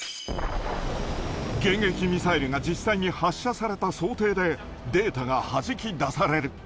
迎撃ミサイルが実際に発射された想定で、データがはじき出される。